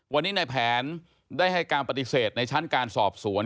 วันนี้ในแผนได้ให้การปฏิเสธในชั้นการสอบสวน